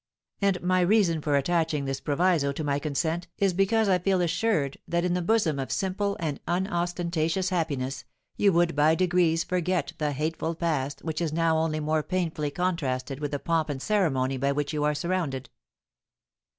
And my reason for attaching this proviso to my consent is because I feel assured that, in the bosom of simple and unostentatious happiness, you would by degrees forget the hateful past, which is now only more painfully contrasted with the pomp and ceremony by which you are surrounded."